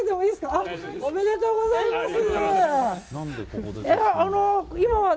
ありがとうございます。